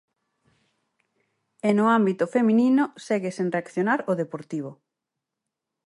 E no ámbito feminino segue sen reaccionar o Deportivo.